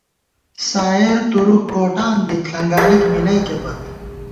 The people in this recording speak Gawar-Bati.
سائېر تُرُک کوٹان دِت ݪنگالِک مِلَئیکے پت